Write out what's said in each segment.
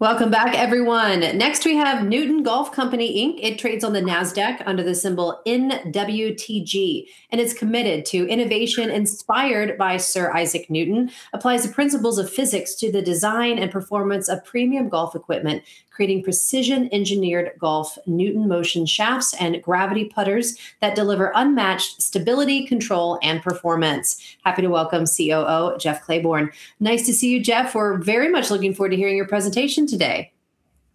Welcome back, everyone. Next, we have Newton Golf Company, Inc. It trades on the NASDAQ under the symbol NWTG. It is committed to innovation inspired by Sir Isaac Newton. Applies the principles of physics to the design and performance of premium golf equipment, creating precision engineered golf, Newton Motion Shafts, and Gravity Putters that deliver unmatched stability, control, and performance. Happy to welcome COO Jeff Clayborne. Nice to see you, Jeff. We are very much looking forward to hearing your presentation today.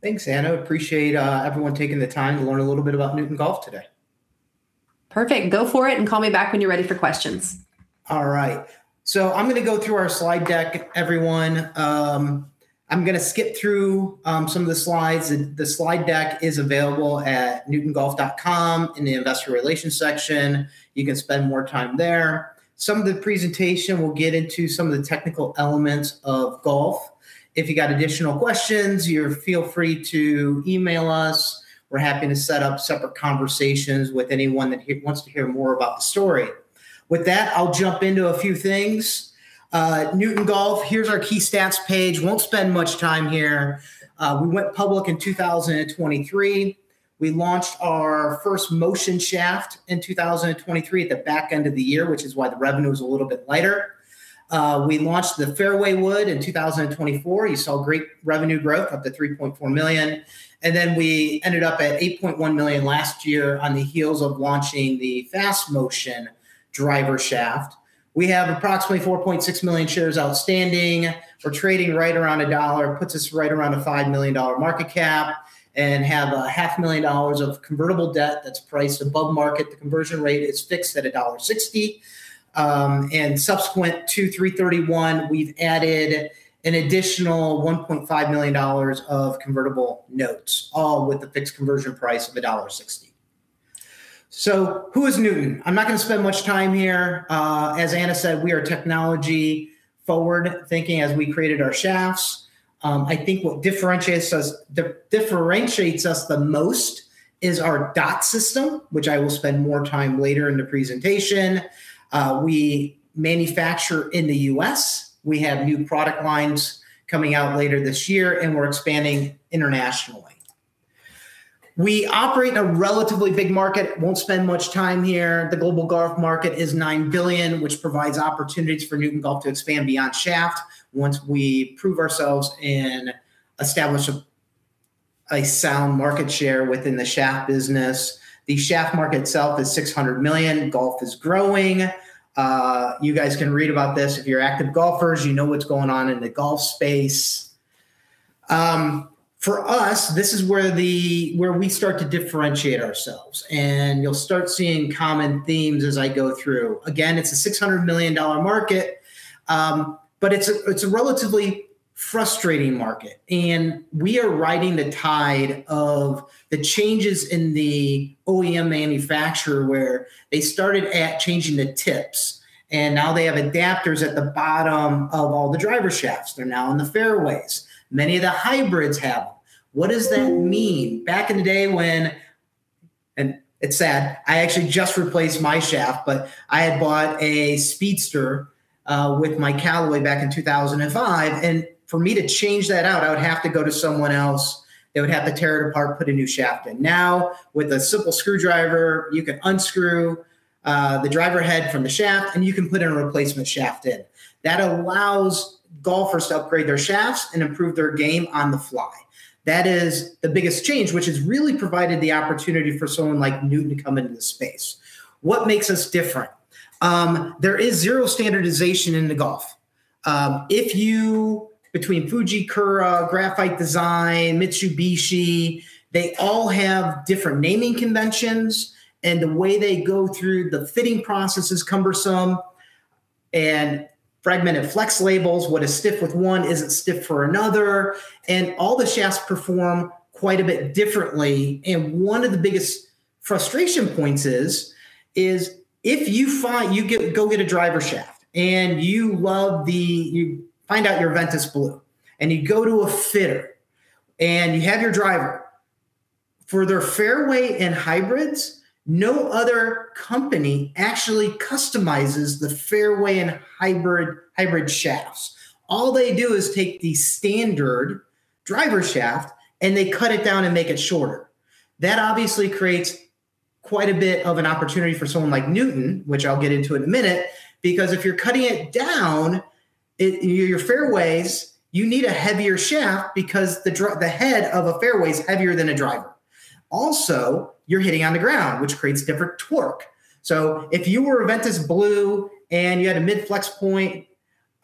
Thanks, Anna. Appreciate everyone taking the time to learn a little bit about Newton Golf today. Perfect. Go for it. Call me back when you are ready for questions. All right. I am going to go through our slide deck, everyone. I am going to skip through some of the slides. The slide deck is available at newtongolf.com in the investor relations section. You can spend more time there. Some of the presentation will get into some of the technical elements of golf. If you got additional questions, feel free to email us. We are happy to set up separate conversations with anyone that wants to hear more about the story. With that, I will jump into a few things. Newton Golf, here is our key stats page. Won't spend much time here. We went public in 2023. We launched our first Motion shaft in 2023 at the back end of the year, which is why the revenue is a little bit lighter. We launched the fairway wood in 2024. You saw great revenue growth, up to $3.4 million. We ended up at $8.1 million last year on the heels of launching the Fast Motion driver shaft. We have approximately 4.6 million shares outstanding. We're trading right around $1, puts us right around a $5 million market cap, and have half a million dollars of convertible debt that's priced above market. The conversion rate is fixed at $1.60. Subsequent to 3/31, we've added an additional $1.5 million of convertible notes, all with a fixed conversion price of $1.60. Who is Newton? I'm not going to spend much time here. As Anna said, we are technology forward-thinking as we created our shafts. I think what differentiates us the most is our dot system, which I will spend more time later in the presentation. We manufacture in the U.S. We have new product lines coming out later this year, and we're expanding internationally. We operate in a relatively big market. Won't spend much time here. The global golf market is $9 billion, which provides opportunities for Newton Golf to expand beyond shaft once we prove ourselves and establish a sound market share within the shaft business. The shaft market itself is $600 million. Golf is growing. You guys can read about this. If you're active golfers, you know what's going on in the golf space. For us, this is where we start to differentiate ourselves, and you'll start seeing common themes as I go through. It's a $600 million market. It's a relatively frustrating market. We are riding the tide of the changes in the OEM manufacturer, where they started at changing the tips, and now they have adapters at the bottom of all the driver shafts. They're now in the fairways. Many of the hybrids have them. What does that mean? Back in the day when, and it's sad, I actually just replaced my shaft, but I had bought a Speedster, with my Callaway back in 2005. For me to change that out, I would have to go to someone else that would have to tear it apart, put a new shaft in. With a simple screwdriver, you can unscrew the driver head from the shaft, and you can put in a replacement shaft in. That allows golfers to upgrade their shafts and improve their game on the fly. That is the biggest change, which has really provided the opportunity for someone like Newton to come into the space. What makes us different? There is zero standardization into golf. Between Fujikura, Graphite Design, Mitsubishi, they all have different naming conventions. The way they go through the fitting process is cumbersome and fragmented flex labels. What is stiff with one isn't stiff for another. All the shafts perform quite a bit differently. One of the biggest frustration points is, if you go get a driver shaft and you find out your Ventus Blue, you go to a fitter and you have your driver. For their fairway and hybrids, no other company actually customizes the fairway and hybrid shafts. All they do is take the standard driver shaft and they cut it down and make it shorter. That obviously creates quite a bit of an opportunity for someone like Newton, which I'll get into in a minute, because if you're cutting it down, your fairways, you need a heavier shaft because the head of a fairway is heavier than a driver. Also, you're hitting on the ground, which creates different torque. If you were Ventus Blue and you had a mid-flex point,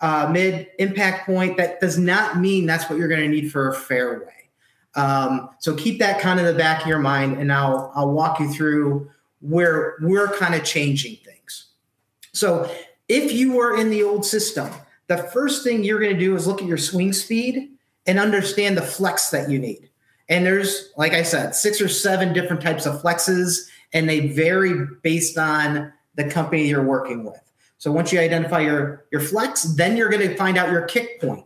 mid-impact point, that does not mean that's what you're going to need for a fairway. Keep that in the back of your mind and I'll walk you through where we're changing things. If you were in the old system, the first thing you're going to do is look at your swing speed and understand the flex that you need. There's, like I said, six or seven different types of flexes, and they vary based on the company you're working with. Once you identify your flex, you're going to find out your kick point.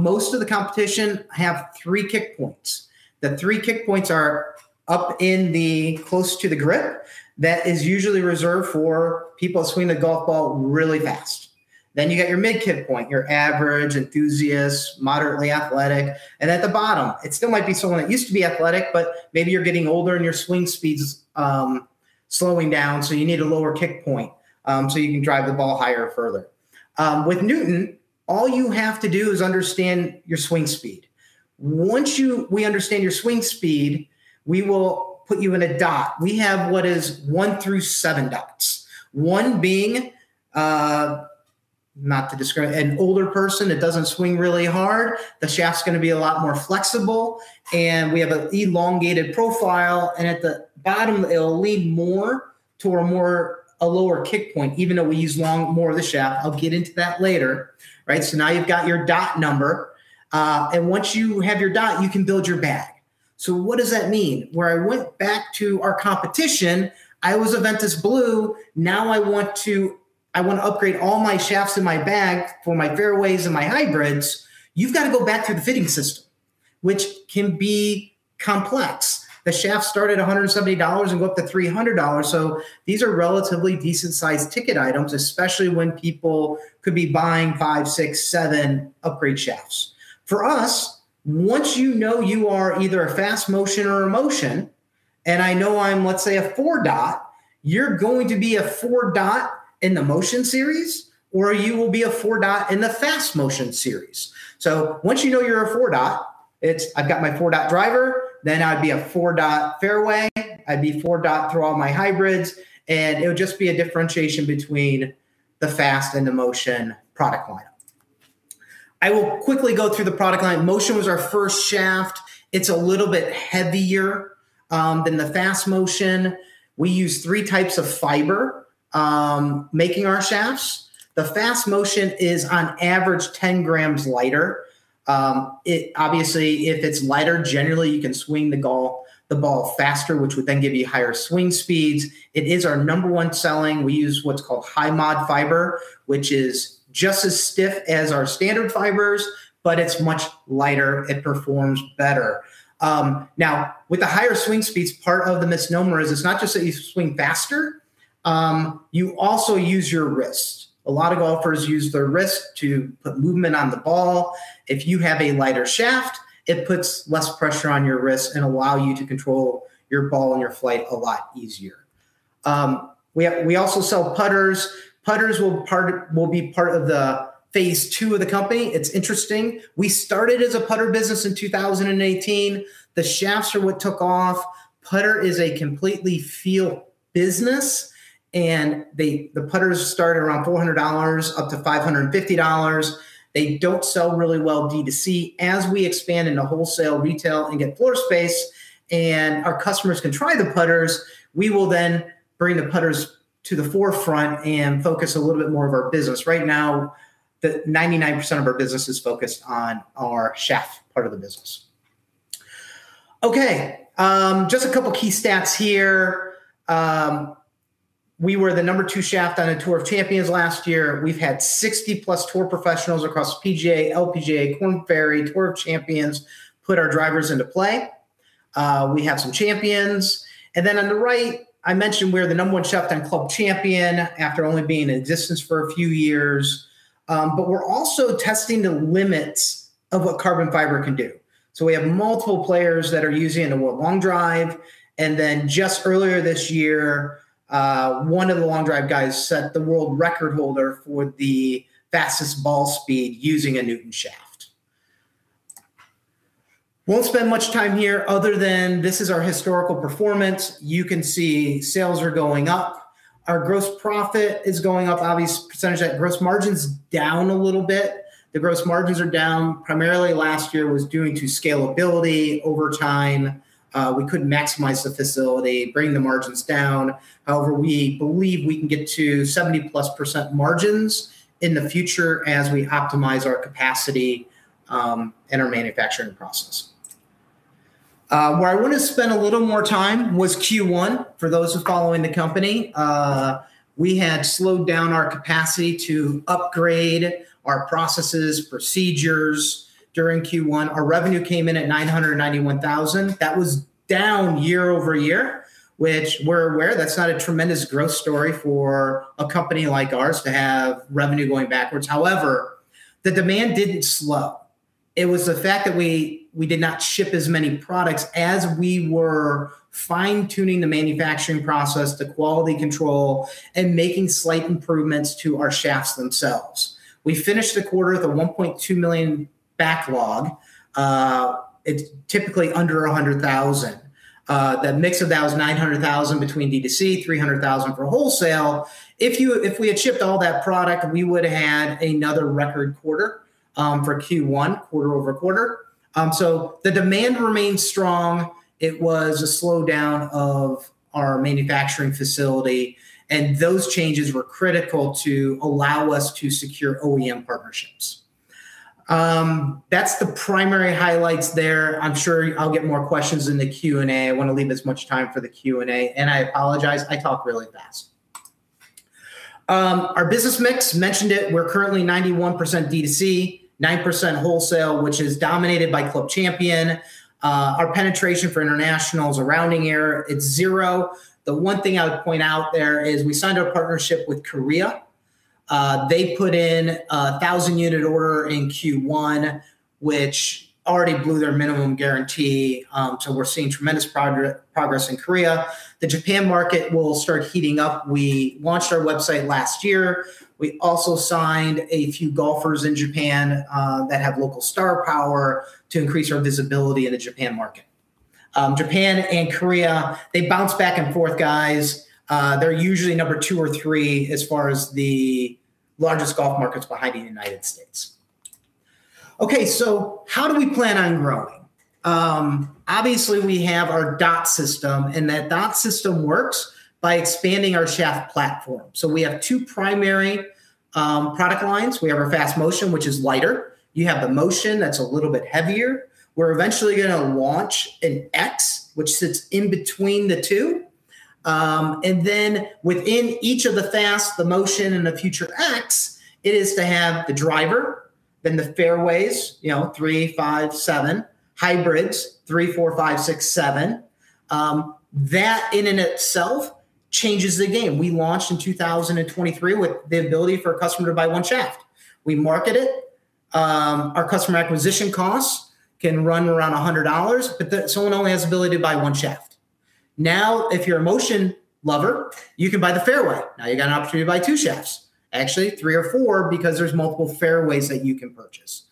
Most of the competition have three kick points. The three kick points are up in the close to the grip, that is usually reserved for people swinging the golf ball really fast. You got your mid-kick point, your average, enthusiast, moderately athletic. At the bottom, it still might be someone that used to be athletic, but maybe you're getting older and your swing speed's slowing down, so you need a lower kick point so you can drive the ball higher or further. With Newton, all you have to do is understand your swing speed. Once we understand your swing speed, we will put you in a dot. We have what is one through seven dots. One being, not to describe, an older person that doesn't swing really hard. The shaft's going to be a lot more flexible, and we have an elongated profile, and at the bottom, it'll lead more to a lower kick point, even though we use more of the shaft. I'll get into that later. Now you've got your dot number. Once you have your dot, you can build your bag. What does that mean? Where I went back to our competition, I was a Ventus Blue. Now I want to upgrade all my shafts in my bag for my fairways and my hybrids. You've got to go back through the fitting system, which can be complex. The shafts start at $170 and go up to $300, so these are relatively decent-sized ticket items, especially when people could be buying five, six, seven upgrade shafts. For us, once you know you are either a Fast Motion or a Motion, and I know I'm, let's say, a four dot, you're going to be a four dot in the Motion Series, or you will be a four dot in the Fast Motion series. Once you know you're a four dot, it's, "I've got my four dot driver," then I'd be a four dot fairway. I'd be four dot through all my hybrids, and it would just be a differentiation between the Fast and the Motion product line. I will quickly go through the product line. Motion was our first shaft. It's a little bit heavier than the Fast Motion. We use three types of fiber making our shafts. The Fast Motion is, on average, 10 g lighter. Obviously, if it's lighter, generally you can swing the ball faster, which would then give you higher swing speeds. It is our number one selling. We use what's called high modulus fiber, which is just as stiff as our standard fibers, but it's much lighter. It performs better. With the higher swing speeds, part of the misnomer is it's not just that you swing faster. You also use your wrist. A lot of golfers use their wrist to put movement on the ball. If you have a lighter shaft, it puts less pressure on your wrist and allow you to control your ball and your flight a lot easier. We also sell putters. Putters will be part of the phase II of the company. It's interesting. We started as a putter business in 2018. The shafts are what took off. Putter is a completely feel business, and the putters start around $400 up to $550. They don't sell really well D2C. We expand into wholesale, retail, and get floor space, and our customers can try the putters, we will then bring the putters to the forefront and focus a little bit more of our business. Right now, 99% of our business is focused on our shaft part of the business. Just a couple key stats here. We were the number two shaft on the PGA Tour Champions last year. We've had 60+ tour professionals across PGA, LPGA, Korn Ferry Tour, PGA Tour Champions put our drivers into play. We have some champions. On the right, I mentioned we're the number 1 shaft on Club Champion after only being in existence for a few years. We're also testing the limits of what carbon fiber can do. We have multiple players that are using it in world long drive. Just earlier this year, one of the long drive guys set the world record holder for the fastest ball speed using a Newton shaft. Won't spend much time here other than this is our historical performance. You can see sales are going up. Our gross profit is going up. Obviously, percentage, that gross margin's down a little bit. The gross margins are down primarily last year was due to scalability over time. We couldn't maximize the facility, bring the margins down. However, we believe we can get to 70%+ margins in the future as we optimize our capacity and our manufacturing process. Where I want to spend a little more time was Q1, for those following the company. We had slowed down our capacity to upgrade our processes, procedures during Q1. Our revenue came in at $991,000. That was down year-over-year, which we're aware that's not a tremendous growth story for a company like ours to have revenue going backwards. The demand didn't slow. It was the fact that we did not ship as many products as we were fine-tuning the manufacturing process, the quality control, and making slight improvements to our shafts themselves. We finished the quarter with a $1.2 million backlog. It's typically under $100,000. The mix of that was $900,000 between D2C, $300,000 for wholesale. If we had shipped all that product, we would've had another record quarter for Q1, quarter-over-quarter. The demand remained strong. It was a slowdown of our manufacturing facility, and those changes were critical to allow us to secure OEM partnerships. That's the primary highlights there. I'm sure I'll get more questions in the Q&A. I want to leave as much time for the Q&A. I apologize, I talk really fast. Our business mix, mentioned it, we're currently 91% D2C, 9% wholesale, which is dominated by Club Champion. Our penetration for international is a rounding error. It's zero. The one thing I would point out there is we signed our partnership with Korea. They put in a 1,000-unit order in Q1, which already blew their minimum guarantee. We're seeing tremendous progress in Korea. The Japan market will start heating up. We launched our website last year. We also signed a few golfers in Japan that have local star power to increase our visibility in the Japan market. Japan and Korea, they bounce back and forth, guys. They're usually number two or three as far as the largest golf markets behind the United States. How do we plan on growing? Obviously, we have our dot system. That dot system works by expanding our shaft platform. We have two primary product lines. We have our Fast Motion, which is lighter. You have the Motion that's a little bit heavier. We're eventually going to launch an X, which sits in between the two. Within each of the Fast, the Motion, and the future X, it is to have the driver, then the fairways, three, five, seven, hybrids, three, four, five, six, seven. That in and itself changes the game. We launched in 2023 with the ability for a customer to buy one shaft. We market it. Our customer acquisition costs can run around $100, but someone only has ability to buy one shaft. If you're a Motion lover, you can buy the fairway. Now you got an opportunity to buy two shafts. Actually, three or four, because there's multiple fairways that you can purchase.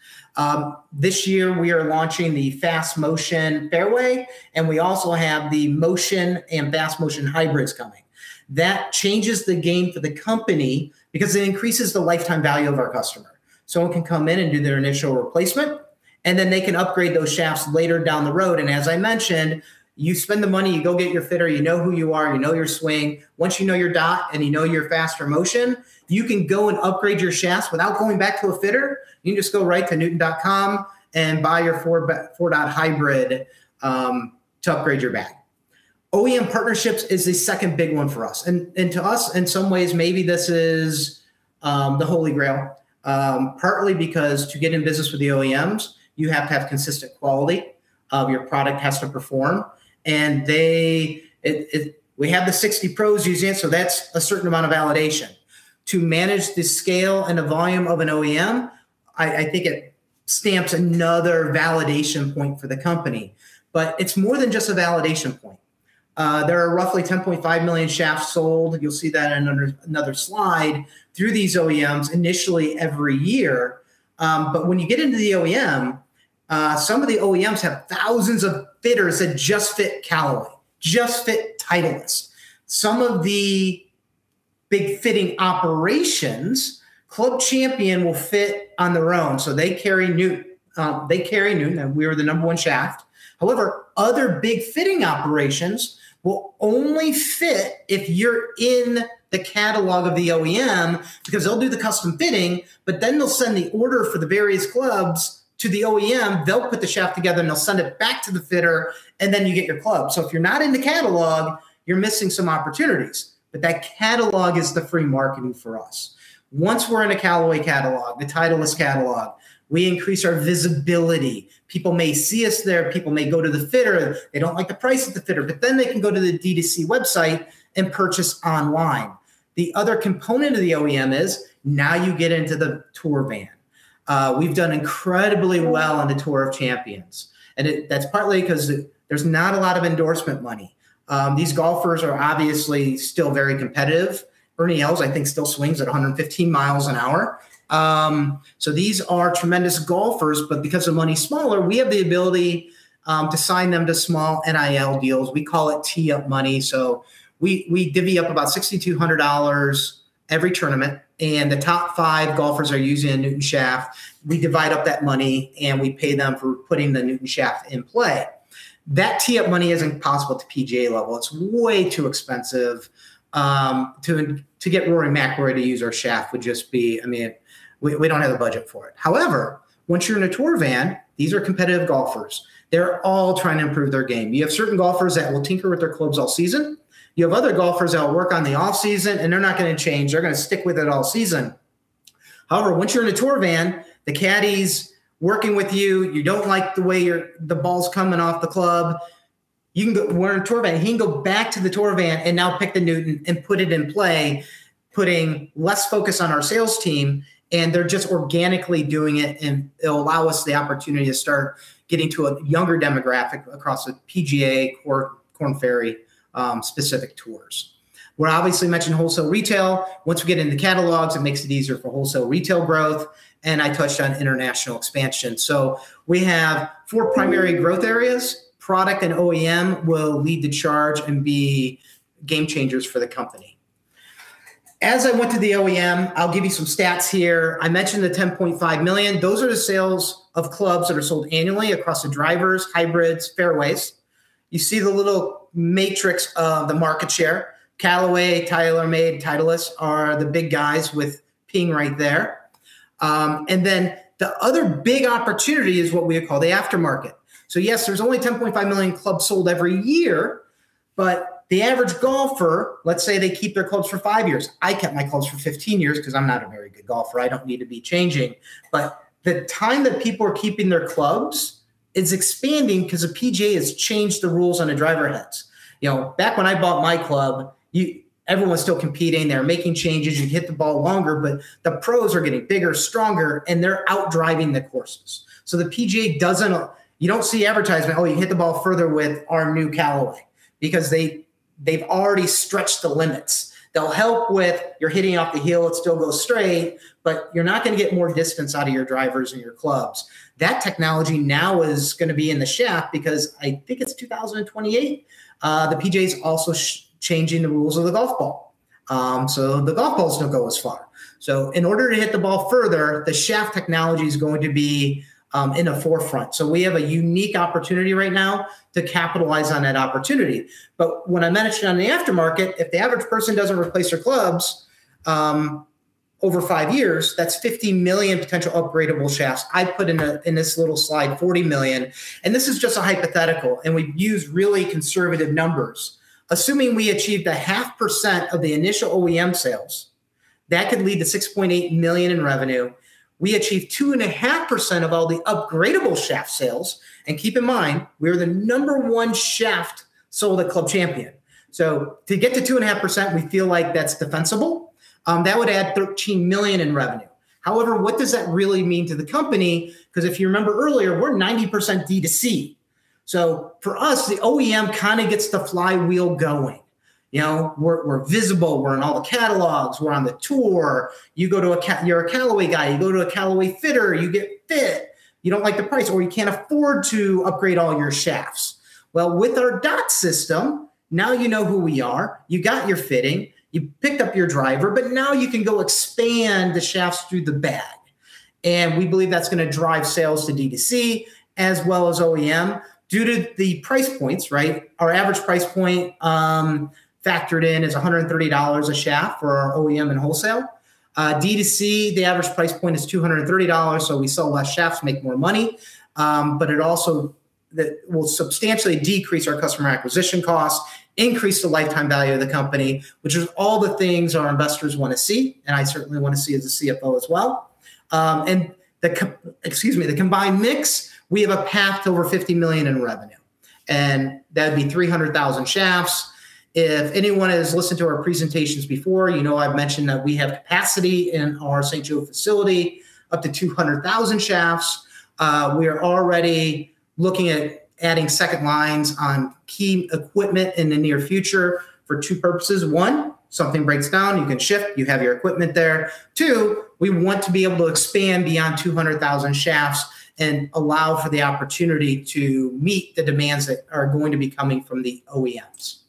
This year, we are launching the Fast Motion fairway. We also have the Motion and Fast Motion hybrids coming. That changes the game for the company because it increases the lifetime value of our customer. Someone can come in and do their initial replacement. They can upgrade those shafts later down the road. As I mentioned, you spend the money, you go get your fitter, you know who you are, and you know your swing. Once you know your dot and you know your Fast Motion, you can go and upgrade your shafts without going back to a fitter. You can just go right to newtongolf.com and buy your four dot hybrid to upgrade your bag. OEM partnerships is the second big one for us. To us, in some ways, maybe this is the holy grail. Partly because to get in business with the OEMs, you have to have consistent quality. Your product has to perform. We have the 60 pros using it. That's a certain amount of validation. To manage the scale and the volume of an OEM, I think it stamps another validation point for the company. It's more than just a validation point. There are roughly 10.5 million shafts sold, you'll see that in another slide, through these OEMs initially every year. When you get into the OEM, some of the OEMs have thousands of fitters that just fit Callaway, just fit Titleist. Some of the big fitting operations, Club Champion will fit on their own, so they carry Newton. We are the number one shaft. However, other big fitting operations will only fit if you're in the catalog of the OEM because they'll do the custom fitting, but then they'll send the order for the various clubs to the OEM. They'll put the shaft together, and they'll send it back to the fitter, and then you get your club. If you're not in the catalog, you're missing some opportunities, but that catalog is the free marketing for us. Once we're in a Callaway catalog, the Titleist catalog, we increase our visibility. People may see us there. People may go to the fitter. If they don't like the price at the fitter, but then they can go to the D2C website and purchase online. The other component of the OEM is now you get into the tour van. We've done incredibly well on the Tour of Champions, and that's partly because there's not a lot of endorsement money. These golfers are obviously still very competitive. Ernie Els, I think, still swings at 115 miles an hour. These are tremendous golfers, but because the money's smaller, we have the ability to sign them to small NIL deals. We call it tee-up money. We divvy up about $6,200 every tournament, and the top five golfers are using a Newton shaft. We divide up that money, and we pay them for putting the Newton shaft in play. That tee-up money isn't possible at the PGA level. It's way too expensive. To get Rory McIlroy to use our shaft would just be, we don't have the budget for it. However, once you're in a tour van, these are competitive golfers. They're all trying to improve their game. You have certain golfers that will tinker with their clubs all season. You have other golfers that will work on the off-season, and they're not going to change. They're going to stick with it all season. However, once you're in a tour van, the caddy's working with you. You don't like the way the ball's coming off the club. We're in a tour van. He can go back to the tour van and now pick the Newton and put it in play, putting less focus on our sales team, and they're just organically doing it, and it'll allow us the opportunity to start getting to a younger demographic across the PGA or Korn Ferry specific tours. We obviously mentioned wholesale retail. Once we get into catalogs, it makes it easier for wholesale retail growth, and I touched on international expansion. We have four primary growth areas. Product and OEM will lead the charge and be game changers for the company. As I went to the OEM, I'll give you some stats here. I mentioned the 10.5 million. Those are the sales of clubs that are sold annually across the drivers, hybrids, fairways. You see the little matrix of the market share. Callaway, TaylorMade, Titleist are the big guys with Ping right there. The other big opportunity is what we call the aftermarket. Yes, there's only 10.5 million clubs sold every year, but the average golfer, let's say they keep their clubs for five years. I kept my clubs for 15 years because I'm not a very good golfer. I don't need to be changing. The time that people are keeping their clubs is expanding because the PGA has changed the rules on the driver heads. Back when I bought my club, everyone was still competing. They were making changes. You hit the ball longer, but the pros are getting bigger, stronger, and they're out-driving the courses. You don't see advertisement, "Oh, you hit the ball further with our new Callaway," because they've already stretched the limits. They'll help with you're hitting off the heel, it still goes straight, but you're not going to get more distance out of your drivers and your clubs. That technology now is going to be in the shaft because I think it's 2028, the PGA's also changing the rules of the golf ball, so the golf ball's going to go as far. In order to hit the ball further, the shaft technology's going to be in the forefront. We have a unique opportunity right now to capitalize on that opportunity. When I mentioned on the aftermarket, if the average person doesn't replace their clubs over five years, that's $50 million potential upgradable shafts. I put in this little slide $40 million, and this is just a hypothetical, and we've used really conservative numbers. Assuming we achieve the 0.5% of the initial OEM sales, that could lead to $6.8 million in revenue. We achieve 2.5% of all the upgradable shaft sales, and keep in mind, we're the number one shaft sold at Club Champion. To get to 2.5%, we feel like that's defensible. That would add $13 million in revenue. However, what does that really mean to the company? Because if you remember earlier, we're 90% D2C. For us, the OEM kind of gets the flywheel going. We're visible. We're in all the catalogs. We're on the tour. You're a Callaway guy. You go to a Callaway fitter. You get fit. You don't like the price, or you can't afford to upgrade all your shafts. Well, with our dot system, now you know who we are. You got your fitting. You picked up your driver, but now you can go expand the shafts through the bag, and we believe that's going to drive sales to D2C as well as OEM due to the price points, right? Our average price point factored in is $130 a shaft for our OEM and wholesale. D2C, the average price point is $230, so we sell less shafts, make more money, but it also will substantially decrease our customer acquisition cost, increase the lifetime value of the company, which is all the things our investors want to see and I certainly want to see as a CFO as well. The combined mix, we have a path to over $50 million in revenue, and that'd be 300,000 shafts. If anyone has listened to our presentations before, you know I've mentioned that we have capacity in our St. Joe facility up to 200,000 shafts. We are already looking at adding second lines on key equipment in the near future for two purposes. One, something breaks down, you can shift. You have your equipment there. Two, we want to be able to expand beyond 200,000 shafts and allow for the opportunity to meet the demands that are going to be coming from the OEMs.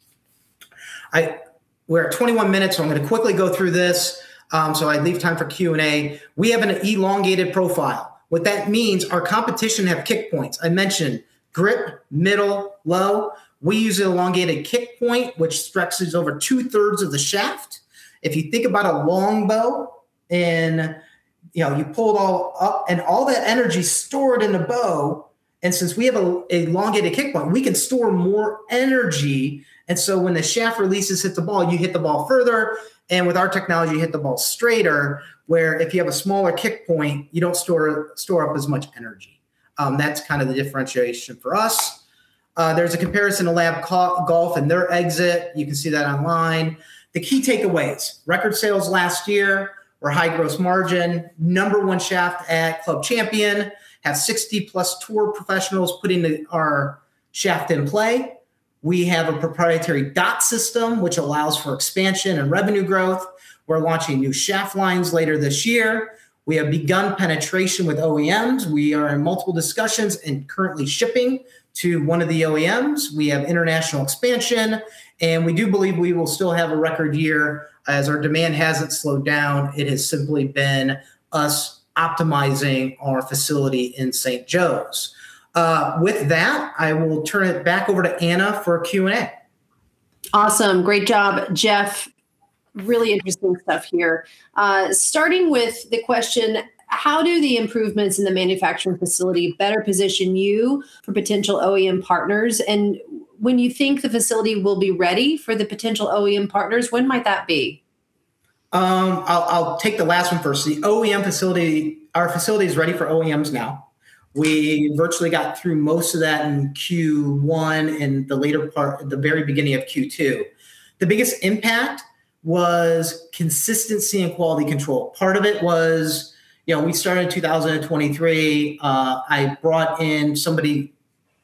We're at 21 minutes, I'm going to quickly go through this so I leave time for Q&A. We have an elongated profile. What that means, our competition have kick points. I mentioned grip, middle, low. We use an elongated kick point, which stretches over two-thirds of the shaft. If you think about a longbow, and you pull it all up, all that energy stored in the bow, since we have an elongated kick point, we can store more energy. When the shaft releases, hits the ball, you hit the ball further, and with our technology, you hit the ball straighter, where if you have a smaller kick point, you don't store up as much energy. That's kind of the differentiation for us. There's a comparison to L.A.B. Golf and their exit. You can see that online. The key takeaways, record sales last year. We're high gross margin. Number one shaft at Club Champion. Have 60-plus tour professionals putting our shaft in play. We have a proprietary dot system, which allows for expansion and revenue growth. We're launching new shaft lines later this year. We have begun penetration with OEMs. We are in multiple discussions and currently shipping to one of the OEMs. We have international expansion, and we do believe we will still have a record year as our demand hasn't slowed down. It has simply been us optimizing our facility in St. Joe's. With that, I will turn it back over to Anna for Q&A. Awesome. Great job, Jeff. Really interesting stuff here. Starting with the question, how do the improvements in the manufacturing facility better position you for potential OEM partners? When you think the facility will be ready for the potential OEM partners, when might that be? I'll take the last one first. The OEM facility, our facility's ready for OEMs now. We virtually got through most of that in Q1 and the later part, the very beginning of Q2. The biggest impact was consistency and quality control. Part of it was we started in 2023. I brought in somebody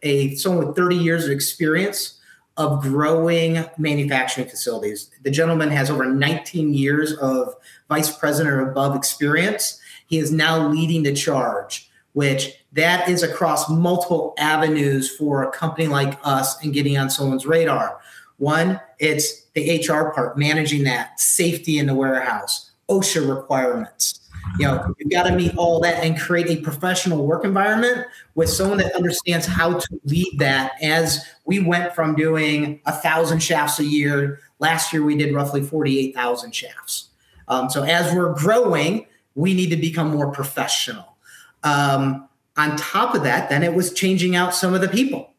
with 30 years of experience of growing manufacturing facilities. The gentleman has over 19 years of Vice President or above experience. He is now leading the charge, which that is across multiple avenues for a company like us in getting on someone's radar. One, it's the HR part, managing that, safety in the warehouse, OSHA requirements. You've got to meet all that and create a professional work environment with someone that understands how to lead that as we went from doing 1,000 shafts a year. Last year, we did roughly 48,000 shafts. As we're growing, we need to become more professional. On top of that, it was changing out some of the people.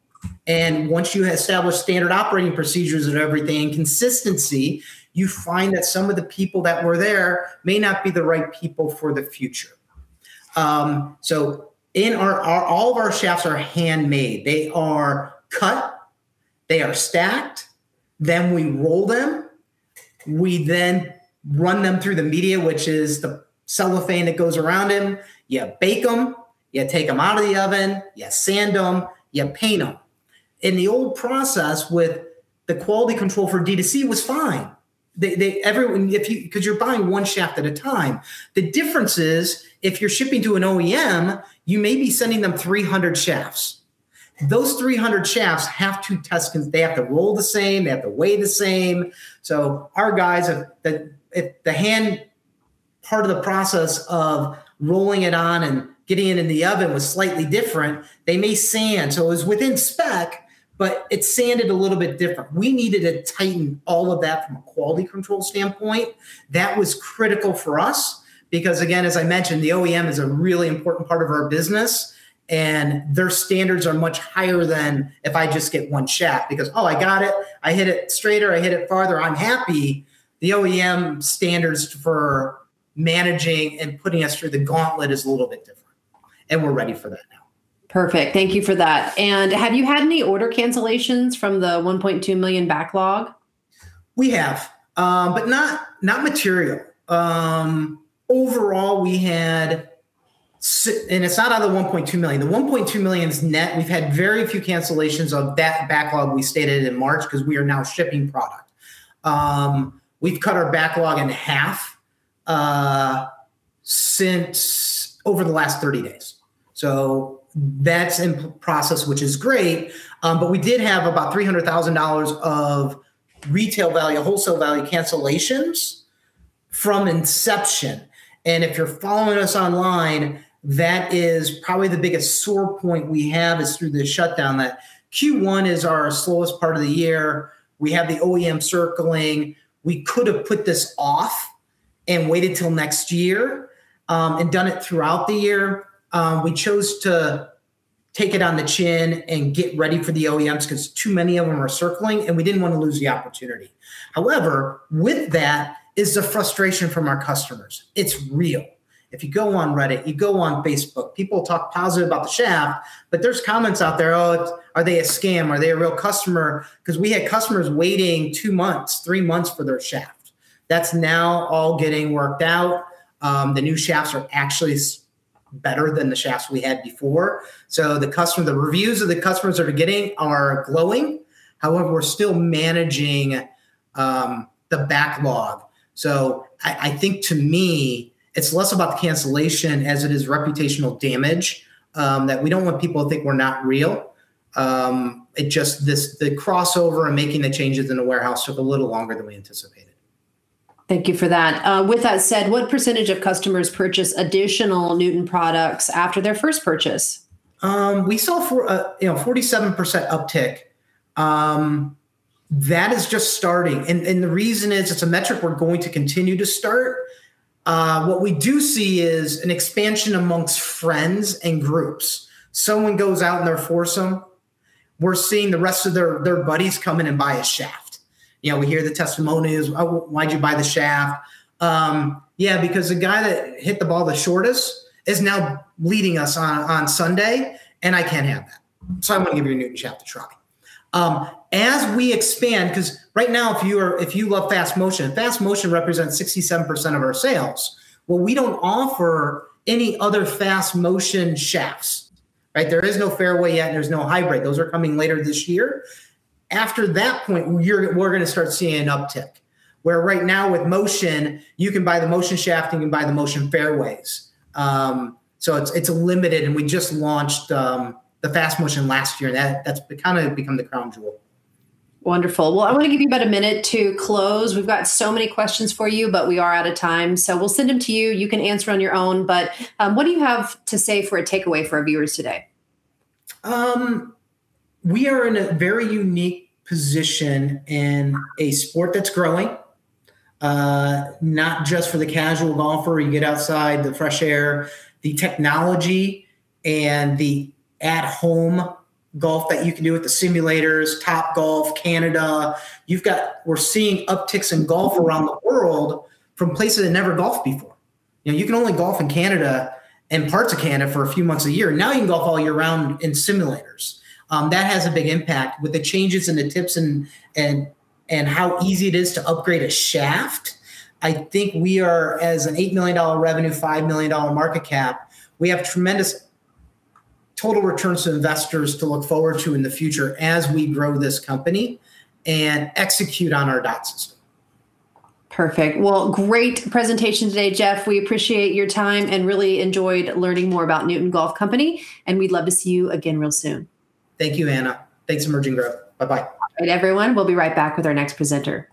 Once you establish standard operating procedures and everything and consistency, you find that some of the people that were there may not be the right people for the future. All of our shafts are handmade. They are cut, they are stacked, we roll them. We run them through the media, which is the cellophane that goes around them. You bake them, you take them out of the oven, you sand them, you paint them. In the old process with the quality control for D2C was fine. You're buying one shaft at a time. The difference is if you're shipping to an OEM, you may be sending them 300 shafts. Those 300 shafts have to test they have to roll the same, they have to weigh the same. Our guys, the hand part of the process of rolling it on and getting it in the oven was slightly different. They may sand, it was within spec, but it sanded a little bit different. We needed to tighten all of that from a quality control standpoint. That was critical for us again, as I mentioned, the OEM is a really important part of our business, and their standards are much higher than if I just get one shaft, "Oh, I got it. I hit it straighter, I hit it farther. I'm happy." The OEM standards for managing and putting us through the gauntlet is a little bit different, and we're ready for that now. Perfect. Thank you for that. Have you had any order cancellations from the 1.2 million backlog? We have, not material. Overall, we had, it's not out of the 1.2 million, the 1.2 million is net. We've had very few cancellations of that backlog we stated in March we are now shipping product. We've cut our backlog in half over the last 30 days. That's in process, which is great. We did have about $300,000 of retail value, wholesale value cancellations from inception. If you're following us online, that is probably the biggest sore point we have is through the shutdown. That Q1 is our slowest part of the year. We have the OEM circling. We could have put this off and waited till next year, and done it throughout the year. We chose to take it on the chin and get ready for the OEMs too many of them are circling, and we didn't want to lose the opportunity. However, with that is the frustration from our customers. It's real. If you go on Reddit, you go on Facebook, people talk positive about the shaft, but there's comments out there, "Oh, are they a scam? Are they a real customer?" Because we had customers waiting two months, three months for their shaft. That's now all getting worked out. The new shafts are actually better than the shafts we had before. The reviews that the customers are getting are glowing. However, we're still managing the backlog. I think to me, it's less about the cancellation as it is reputational damage, that we don't want people to think we're not real. It just, the crossover and making the changes in the warehouse took a little longer than we anticipated. Thank you for that. With that said, what percentage of customers purchase additional Newton products after their first purchase? We saw a 47% uptick. That is just starting, and the reason is it's a metric we're going to continue to start. What we do see is an expansion amongst friends and groups. Someone goes out in their foursome, we're seeing the rest of their buddies come in and buy a shaft. We hear the testimonies. "Why'd you buy the shaft?" "Yeah, because the guy that hit the ball the shortest is now leading us on Sunday, and I can't have that. I'm going to give your Newton shaft a try." As we expand, because right now, if you love Fast Motion, Fast Motion represents 67% of our sales. Well, we don't offer any other Fast Motion shafts. There is no fairway yet and there's no hybrid. Those are coming later this year. After that point, we're going to start seeing an uptick, where right now with Motion, you can buy the Motion shaft and you can buy the Motion fairways. It's limited, and we just launched the Fast Motion last year, and that's kind of become the crown jewel. Wonderful. I want to give you about a minute to close. We've got so many questions for you, we are out of time, so we'll send them to you. You can answer on your own. What do you have to say for a takeaway for our viewers today? We are in a very unique position in a sport that's growing, not just for the casual golfer. You get outside in the fresh air, the technology, and the at-home golf that you can do with the simulators, Topgolf, Canada. We're seeing upticks in golf around the world from places that never golfed before. You can only golf in Canada and parts of Canada for a few months a year. Now you can golf all year round in simulators. That has a big impact. With the changes and the tips and how easy it is to upgrade a shaft, I think we are as an $8 million revenue, $5 million market cap, we have tremendous total returns to investors to look forward to in the future as we grow this company and execute on our dots. Perfect. Great presentation today, Jeff. We appreciate your time and really enjoyed learning more about Newton Golf Company, we'd love to see you again real soon. Thank you, Anna. Thanks, Emerging Growth. Bye-bye. All right, everyone, we'll be right back with our next presenter.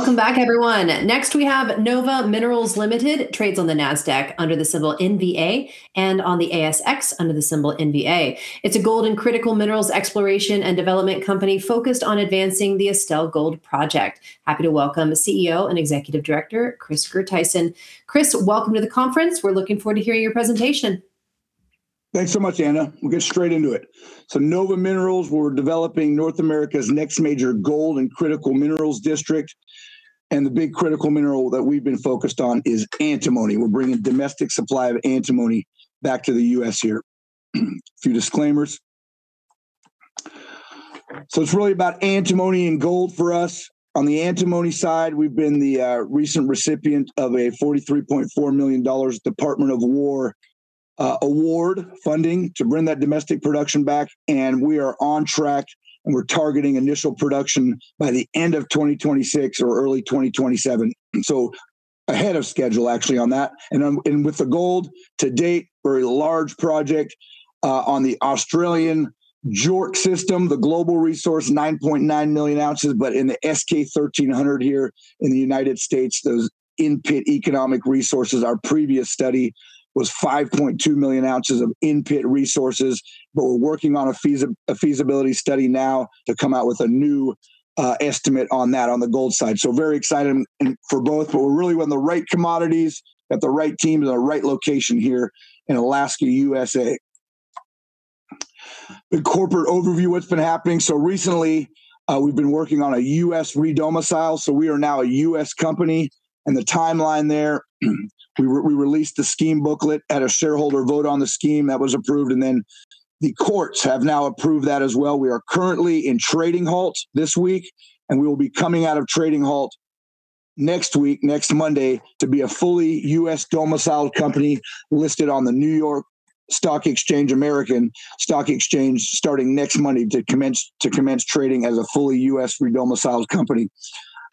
Welcome back everyone. Next we have Nova Minerals Limited, trades on the NASDAQ under the symbol NVA and on the ASX under the symbol NVA. It's a gold and critical minerals exploration and development company focused on advancing the Estelle Gold Project. Happy to welcome CEO and Executive Director, Christopher Tyson. Chris, welcome to the conference. We're looking forward to hearing your presentation. Thanks so much, Anna. We'll get straight into it. Nova Minerals, we're developing North America's next major gold and critical minerals district, and the big critical mineral that we've been focused on is antimony. We're bringing domestic supply of antimony back to the U.S. here. Few disclaimers. It's really about antimony and gold for us. On the antimony side, we've been the recent recipient of a $43.4 million Department of Defense award funding to bring that domestic production back, and we are on track, and we're targeting initial production by the end of 2026 or early 2027. Ahead of schedule actually on that. With the gold, to date, very large project, on the Australian JORC system, the global resource, 9.9 million ounces, but in the S-K 1300 here in the United States, those in-pit economic resources, our previous study was 5.2 million ounces of in-pit resources. We're working on a feasibility study now to come out with a new estimate on that on the gold side. Very exciting for both, but we're really on the right commodities at the right team and the right location here in Alaska, USA. The corporate overview, what's been happening. Recently, we've been working on a U.S. re-domicile. We are now a U.S. company, and the timeline there, we released the scheme booklet at a shareholder vote on the scheme that was approved, and the courts have now approved that as well. We are currently in trading halt this week, and we will be coming out of trading halt next week, next Monday, to be a fully U.S. domiciled company listed on the New York Stock Exchange, American Stock Exchange starting next Monday to commence trading as a fully U.S. re-domiciled company.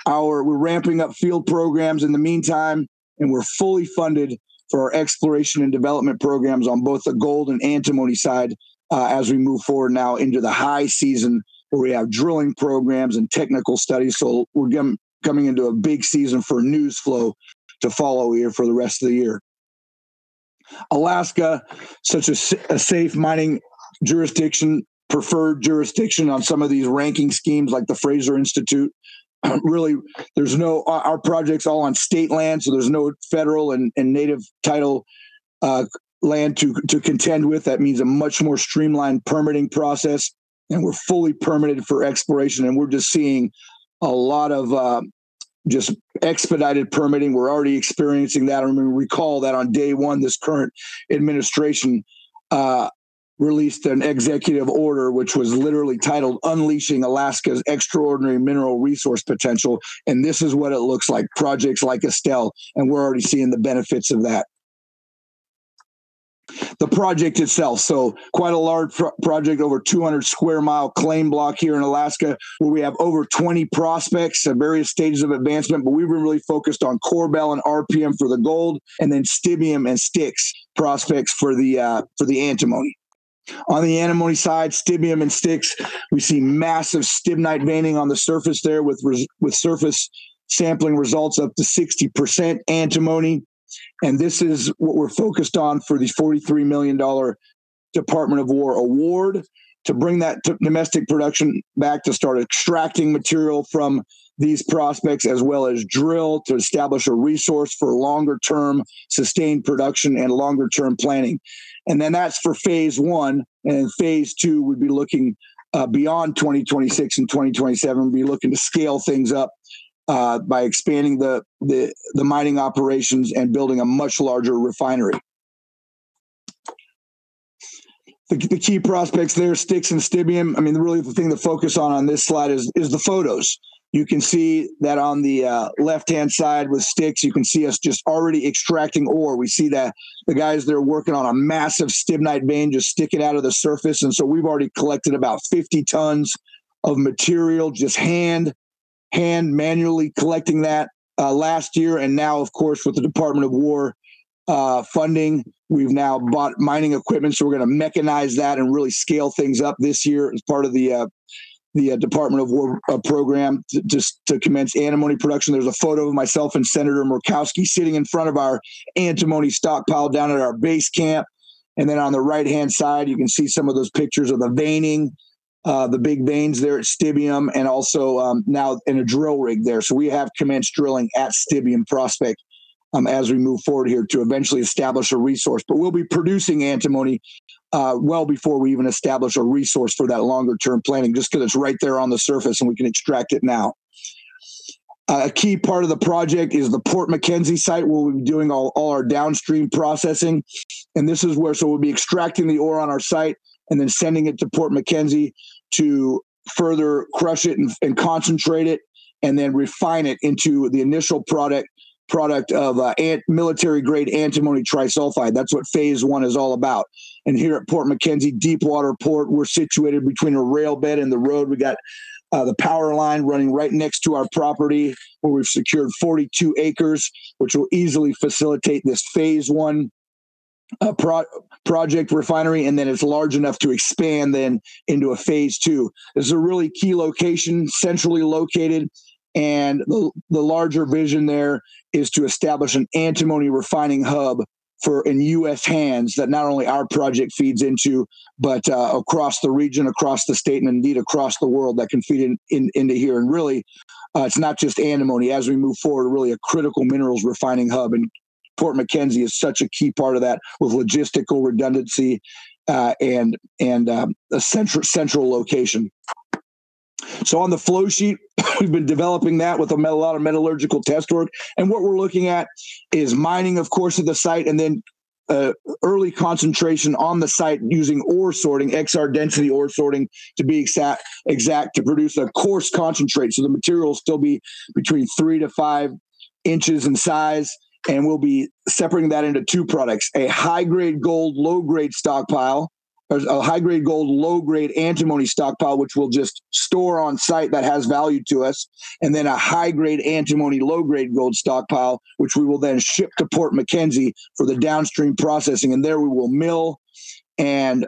We're ramping up field programs in the meantime, and we're fully funded for our exploration and development programs on both the gold and antimony side, as we move forward now into the high season where we have drilling programs and technical studies. We're coming into a big season for news flow to follow here for the rest of the year. Alaska, such a safe mining jurisdiction, preferred jurisdiction on some of these ranking schemes like the Fraser Institute. Our project's all on state land, there's no federal and native title land to contend with. That means a much more streamlined permitting process, and we're fully permitted for exploration, and we're just seeing a lot of just expedited permitting. We're already experiencing that. I recall that on day one, this current administration released an executive order, which was literally titled Unleashing Alaska's Extraordinary Mineral Resource Potential, this is what it looks like, projects like Estelle, we're already seeing the benefits of that. The project itself, quite a large project, over 200 sq mi claim block here in Alaska, where we have over 20 prospects at various stages of advancement. We've been really focused on Korbel and RPM for the gold, then Stibium and Styx prospects for the antimony. On the antimony side, Stibium and Styx, we see massive stibnite veining on the surface there with surface sampling results up to 60% antimony, this is what we're focused on for the $43 million Department of Defense award to bring that domestic production back to start extracting material from these prospects, as well as drill to establish a resource for longer-term sustained production and longer-term planning. That's for phase I, phase II, we'd be looking beyond 2026 and 2027. We'll be looking to scale things up by expanding the mining operations and building a much larger refinery. The key prospects there, Styx and Stibium, really the thing to focus on on this slide is the photos. You can see that on the left-hand side with Styx, you can see us just already extracting ore. We see that the guys there working on a massive stibnite vein, just sticking out of the surface. We've already collected about 50 tons of material, just hand manually collecting that last year. Now, of course, with the Department of Defense funding, we've now bought mining equipment, we're going to mechanize that and really scale things up this year as part of the Department of Defense program to commence antimony production. There's a photo of myself and Senator Murkowski sitting in front of our antimony stockpile down at our base camp. On the right-hand side, you can see some of those pictures of the big veins there at Stibium, also now in a drill rig there. We have commenced drilling at Stibium Prospect as we move forward here to eventually establish a resource. We'll be producing antimony well before we even establish a resource for that longer-term planning, just because it's right there on the surface and we can extract it now. A key part of the project is the Port McKenzie site, where we'll be doing all our downstream processing. This is where we'll be extracting the ore on our site then sending it to Port McKenzie to further crush it and concentrate it, then refine it into the initial product of military-grade antimony trisulfide. That's what phase I is all about. Here at Port McKenzie deepwater port, we're situated between a rail bed and the road. We got the power line running right next to our property, where we've secured 42 acres, which will easily facilitate this phase I project refinery, and then it's large enough to expand then into a phase II. It's a really key location, centrally located, and the larger vision there is to establish an antimony refining hub in U.S. hands that not only our project feeds into but across the region, across the state, and indeed across the world that can feed into here. Really, it's not just antimony. As we move forward, really a critical minerals refining hub, and Port McKenzie is such a key part of that with logistical redundancy and a central location. On the flow sheet, we've been developing that with a lot of metallurgical test work. What we're looking at is mining, of course, at the site, and then early concentration on the site using ore sorting, XRT density ore sorting to be exact, to produce a coarse concentrate. The material will still be between three to five inches in size, and we'll be separating that into two products, a high-grade gold, low-grade stockpile, or a high-grade gold, low-grade antimony stockpile, which we'll just store on-site that has value to us, and then a high-grade antimony, low-grade gold stockpile, which we will then ship to Port McKenzie for the downstream processing. There we will mill and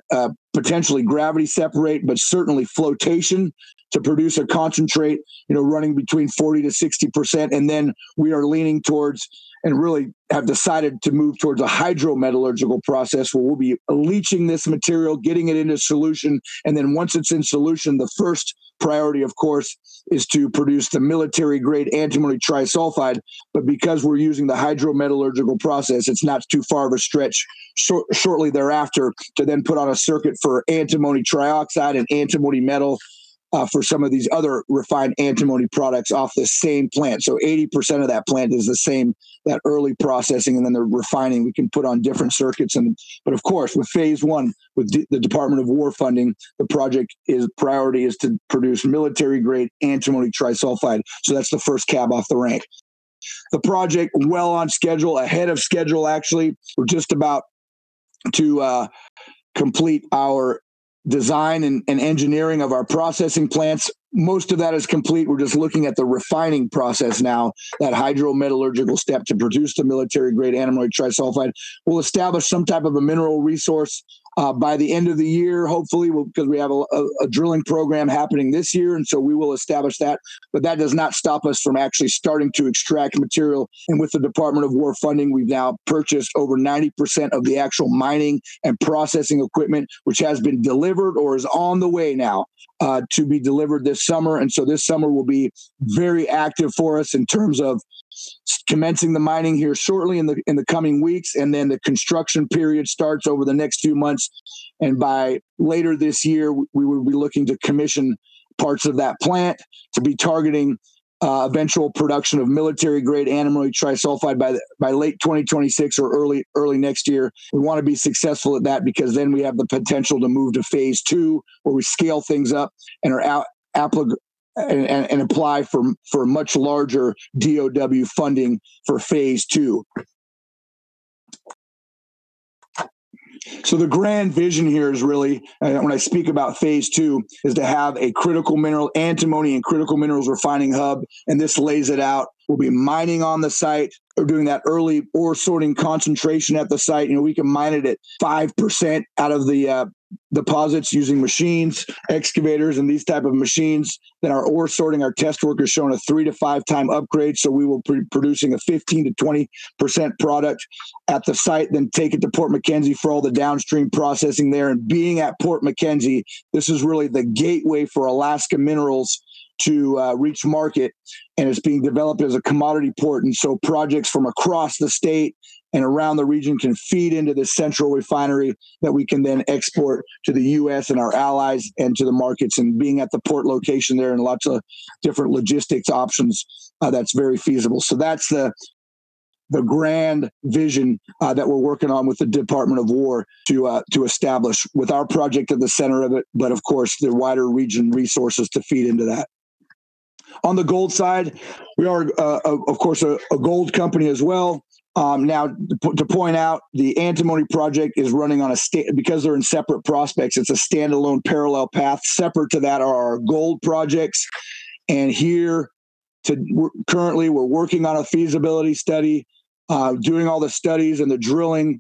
potentially gravity separate, but certainly flotation to produce a concentrate running between 40%-60%. Then we are leaning towards, and really have decided to move towards a hydrometallurgical process, where we'll be leaching this material, getting it into solution, and then once it's in solution, the first priority, of course, is to produce the military-grade antimony trisulfide. Because we're using the hydrometallurgical process, it's not too far of a stretch shortly thereafter to then put on a circuit for antimony trioxide and antimony metal for some of these other refined antimony products off the same plant. 80% of that plant is the same, that early processing and then the refining. We can put on different circuits. Of course, with phase I, with the Department of Defense funding, the project priority is to produce military-grade antimony trisulfide. That's the first cab off the rank. The project is well on schedule, actually ahead of schedule. We're just about to complete our design and engineering of our processing plants. Most of that is complete. We're just looking at the refining process now, that hydrometallurgical step to produce the military-grade antimony trisulfide. We'll establish some type of a mineral resource, by the end of the year, hopefully, because we have a drilling program happening this year, and so we will establish that. That does not stop us from actually starting to extract material. With the Department of Defense funding, we've now purchased over 90% of the actual mining and processing equipment, which has been delivered or is on the way now to be delivered this summer. This summer will be very active for us in terms of commencing the mining here shortly in the coming weeks, then the construction period starts over the next few months, by later this year, we will be looking to commission parts of that plant to be targeting eventual production of military-grade antimony trisulfide by late 2026 or early next year. We want to be successful at that because then we have the potential to move to phase II, where we scale things up and apply for much larger DOE funding for phase II. The grand vision here is really, when I speak about phase II, is to have a critical mineral antimony and critical minerals refining hub, and this lays it out. We will be mining on the site or doing that early ore sorting concentration at the site. We can mine it at 5% out of the deposits using machines, excavators, and these type of machines that are ore sorting. Our test work has shown a three to five times upgrade, so we will be producing a 15%-20% product at the site, then take it to Port McKenzie for all the downstream processing there. Being at Port McKenzie, this is really the gateway for Alaska Minerals to reach market, and it is being developed as a commodity port. Projects from across the state and around the region can feed into this central refinery that we can then export to the U.S. and our allies and to the markets. Being at the port location there and lots of different logistics options, that is very feasible. That is the grand vision that we are working on with the Department of Defense to establish, with our project at the center of it, of course, the wider region resources to feed into that. The gold side, we are, of course, a gold company as well. To point out, the antimony project is running on a standalone parallel path. Separate to that are our gold projects. Here, currently we are working on a feasibility study, doing all the studies and the drilling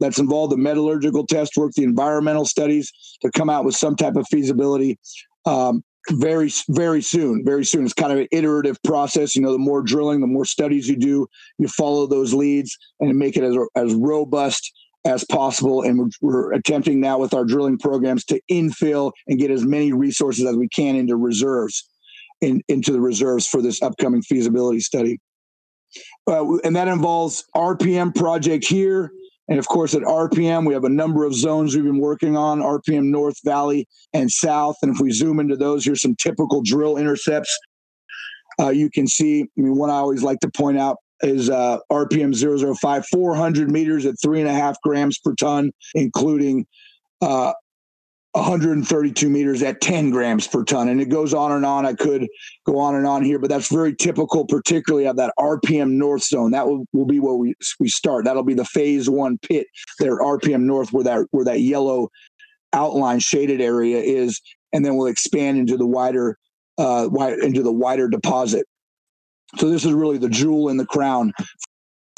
that is involved, the metallurgical test work, the environmental studies, to come out with some type of feasibility very soon. It is an iterative process. The more drilling, the more studies you do. You follow those leads and make it as robust as possible. We are attempting now with our drilling programs to infill and get as many resources as we can into reserves, into the reserves for this upcoming feasibility study. That involves RPM project here. Of course, at RPM, we have a number of zones we have been working on, RPM North, Valley, and South. If we zoom into those, here is some typical drill intercepts. You can see, one I always like to point out is RPM-005, 400 meters at three and a half grams per ton, including 132 meters at 10 grams per ton. It goes on and on. I could go on and on here, but that is very typical, particularly of that RPM North zone. That will be where we start. That will be the phase I pit there at RPM North, where that yellow outline shaded area is, then we will expand into the wider deposit. This is really the jewel in the crown for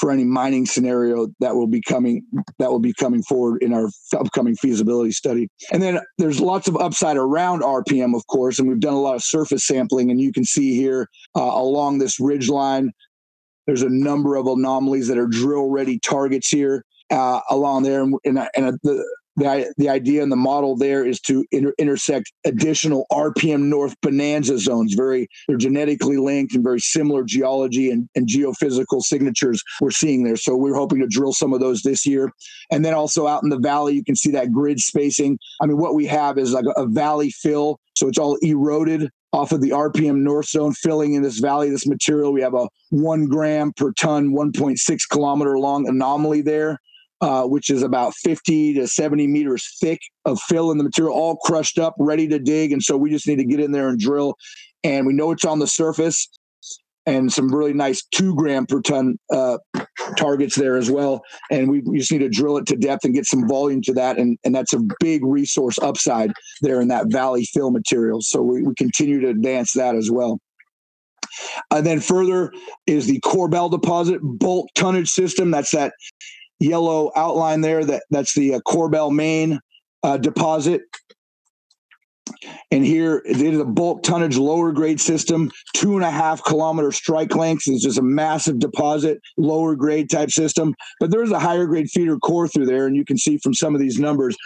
any mining scenario that will be coming forward in our upcoming feasibility study. There's lots of upside around RPM, of course, and we've done a lot of surface sampling, and you can see here along this ridge line, there's a number of anomalies that are drill-ready targets here along there. The idea and the model there is to intersect additional RPM North bonanza zones. They're genetically linked and very similar geology and geophysical signatures we're seeing there. We're hoping to drill some of those this year. Also out in the valley, you can see that grid spacing. What we have is a valley fill, so it's all eroded off of the RPM North zone filling in this valley, this material. We have a one gram per ton, 1.6 km-long anomaly there, which is about 50 meters-70 meters thick of fill in the material, all crushed up, ready to dig. We just need to get in there and drill. We know it's on the surface, and some really nice two-gram per ton targets there as well. We just need to drill it to depth and get some volume to that, and that's a big resource upside there in that valley fill material. We continue to advance that as well. Further is the Korbel deposit bulk tonnage system. That's that yellow outline there. That's the Korbel main deposit. Here is a bulk tonnage lower grade system, two and a half kilometer strike length. This is a massive deposit, lower grade type system. There is a higher grade feeder core through there, and you can see from some of these numbers,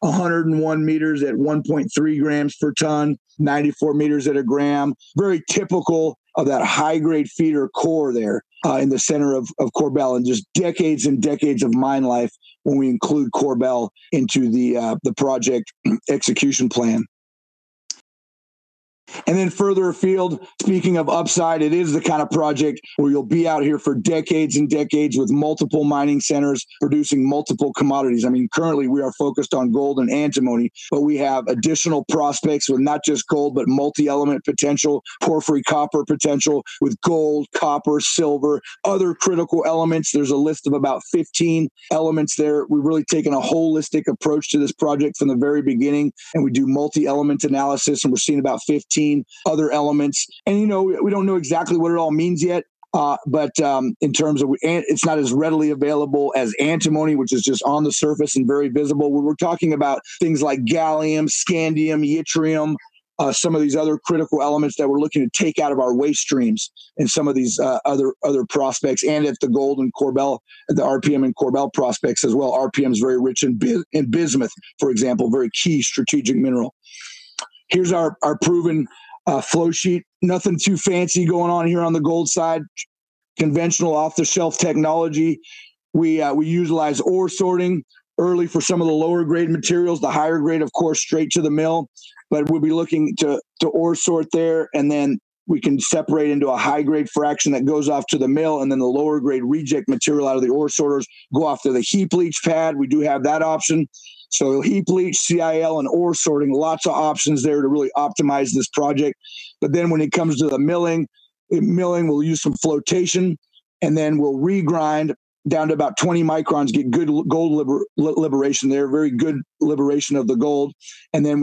101 meters at 1.3 grams per ton, 94 meters at a gram. Very typical of that high grade feeder core there in the center of Korbel, and just decades and decades of mine life when we include Korbel into the project execution plan. Further afield, speaking of upside, it is the kind of project where you'll be out here for decades and decades with multiple mining centers producing multiple commodities. Currently we are focused on gold and antimony, but we have additional prospects with not just gold, but multi-element potential, porphyry copper potential with gold, copper, silver, other critical elements. There's a list of about 15 elements there. We've really taken a holistic approach to this project from the very beginning, and we do multi-element analysis, and we're seeing about 15 other elements. We don't know exactly what it all means yet, but it's not as readily available as antimony, which is just on the surface and very visible. We're talking about things like gallium, scandium, yttrium, some of these other critical elements that we're looking to take out of our waste streams in some of these other prospects, and at the gold in Korbel, at the RPM in Korbel prospects as well. RPM's very rich in bismuth, for example, very key strategic mineral. Here's our proven flow sheet. Nothing too fancy going on here on the gold side. Conventional off-the-shelf technology. We utilize ore sorting early for some of the lower grade materials. The higher grade, of course, straight to the mill. We'll be looking to ore sort there, then we can separate into a high grade fraction that goes off to the mill, then the lower grade reject material out of the ore sorters go off to the heap leach pad. We do have that option. Heap leach, CIL, and ore sorting, lots of options there to really optimize this project. When it comes to the milling, in milling, we'll use some flotation. Then we'll regrind down to about 20 microns, get good gold liberation there, very good liberation of the gold, then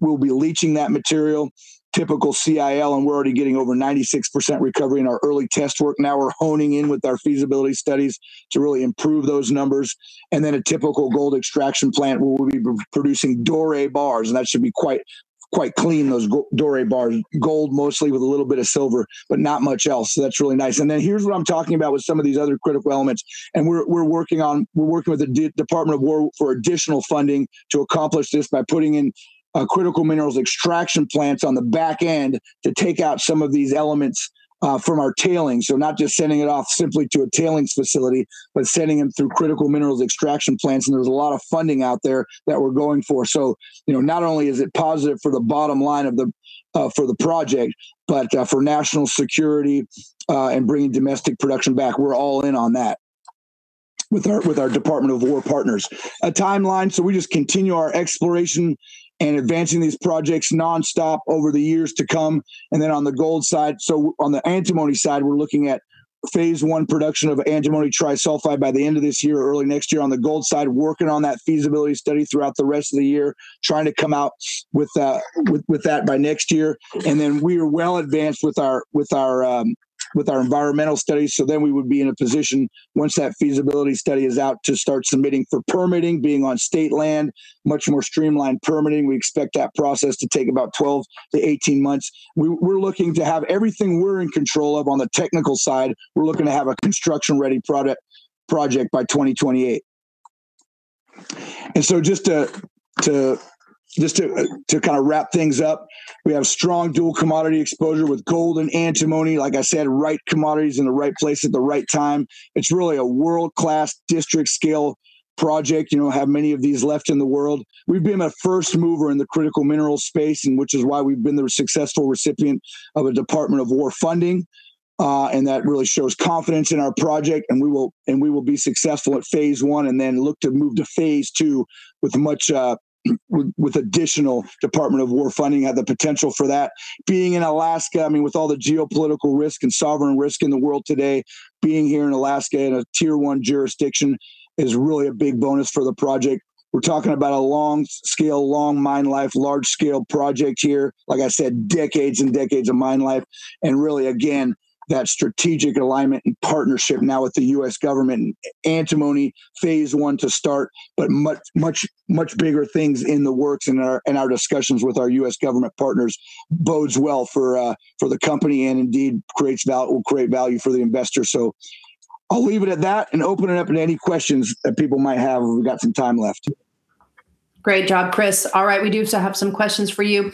we'll be leaching that material. Typical CIL, and we're already getting over 96% recovery in our early test work. Now we're honing in with our feasibility studies to really improve those numbers. A typical gold extraction plant where we'll be producing doré bars. That should be quite clean, those doré bars. Gold mostly with a little bit of silver, but not much else. That's really nice. Here's what I'm talking about with some of these other critical elements. We're working with the Department of Defense for additional funding to accomplish this by putting in critical minerals extraction plants on the back end to take out some of these elements from our tailings. Not just sending it off simply to a tailings facility, but sending them through critical minerals extraction plants, and there's a lot of funding out there that we're going for. Not only is it positive for the bottom line for the project, but for national security, and bringing domestic production back. We're all in on that with our Department of Defense partners. A timeline. We just continue our exploration and advancing these projects nonstop over the years to come. On the gold side, on the antimony side, we're looking at phase I production of antimony trisulfide by the end of this year or early next year. On the gold side, working on that feasibility study throughout the rest of the year, trying to come out with that by next year. We are well advanced with our environmental studies, we would be in a position once that feasibility study is out to start submitting for permitting. Being on state land, much more streamlined permitting. We expect that process to take about 12-18 months. We're looking to have everything we're in control of on the technical side. We're looking to have a construction-ready project by 2028. Just to wrap things up, we have strong dual commodity exposure with gold and antimony. Like I said, right commodities in the right place at the right time. It's really a world-class district scale project. We don't have many of these left in the world. We've been a first mover in the critical minerals space, which is why we've been the successful recipient of a Department of Defense funding. That really shows confidence in our project, and we will be successful at phase I and look to move to phase II with additional Department of Defense funding. Have the potential for that. Being in Alaska, with all the geopolitical risk and sovereign risk in the world today, being here in Alaska in a tier 1 jurisdiction is really a big bonus for the project. We're talking about a long scale, long mine life, large-scale project here. Like I said, decades and decades of mine life. Really, again, that strategic alignment and partnership now with the U.S. government. Antimony, phase I to start, but much bigger things in the works in our discussions with our U.S. government partners bodes well for the company and indeed will create value for the investor. I'll leave it at that and open it up to any questions that people might have if we've got some time left. Great job, Chris. All right, we do still have some questions for you.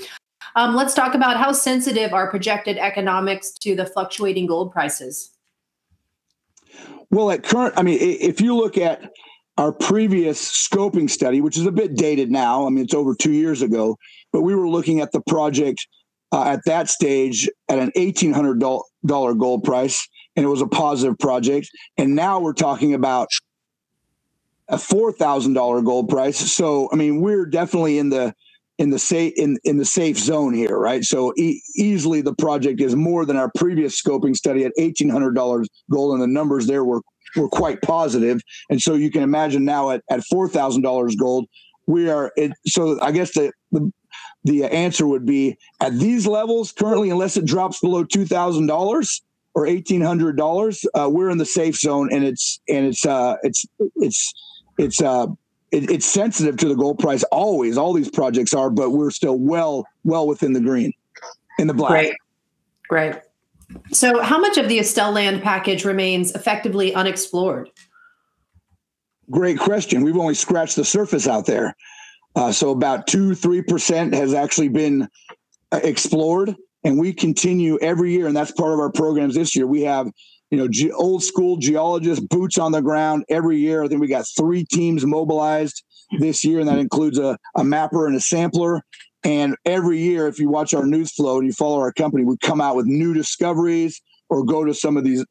Let's talk about how sensitive are projected economics to the fluctuating gold prices. Well, if you look at our previous scoping study, which is a bit dated now, it's over two years ago, but we were looking at the project, at that stage, at an $1,800 gold price, and it was a positive project. Now we're talking about a $4,000 gold price. We're definitely in the safe zone here, right? Easily the project is more than our previous scoping study at $1,800 gold, and the numbers there were quite positive. You can imagine now at $4,000 gold. I guess the answer would be at these levels currently, unless it drops below $2,000 or $1,800, we're in the safe zone, and it's sensitive to the gold price always. All these projects are, but we're still well within the green, in the black. Great. How much of the Estelle Land package remains effectively unexplored? Great question. We've only scratched the surface out there. About 2%-3% has actually been explored, and we continue every year, and that's part of our programs this year. We have old school geologists, boots on the ground every year. I think we got three teams mobilized this year, and that includes a mapper and a sampler. Every year, if you watch our news flow and you follow our company, we come out with new discoveries or go to some of these